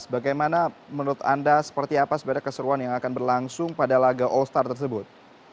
bagaimana menurut anda seperti apa sebenarnya keseruan yang akan berlangsung pada laga all star tersebut